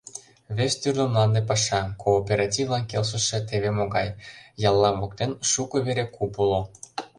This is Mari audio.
Вес тӱрлӧ мланде паша, кооперативлан келшыше, теве могай: ялла воктен шуко вере куп уло.